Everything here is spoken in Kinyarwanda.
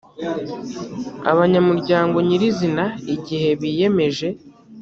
abanyamuryango nyirizina igihe biyemeje